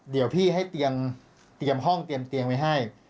เดี๋ยวพี่ให้เตียงห้องเตรียมเตียงไว้ให้